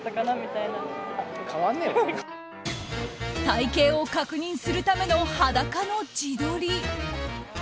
体形を確認するための裸の自撮り。